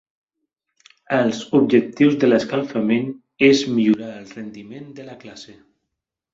Els objectius de l'escalfament és millorar el rendiment de la classe.